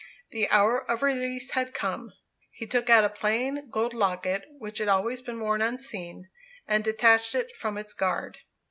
The hour of release had come. He took out a plain gold locket, which had always been worn unseen, and detached it from its guard.